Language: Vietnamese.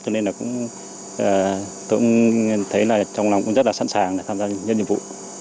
cho nên là cũng thấy là trong lòng cũng rất là sẵn sàng để tham gia nhiệm vụ